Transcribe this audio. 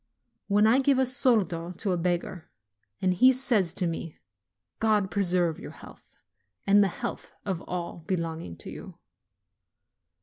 When I give a soldo to a beggar, and he says to me, "God preserve your health, and the health of all be longing to you